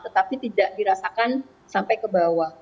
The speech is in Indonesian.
tetapi tidak dirasakan sampai ke bawah